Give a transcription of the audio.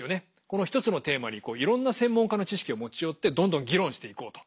この１つのテーマにいろんな専門家の知識を持ち寄ってどんどん議論していこうと。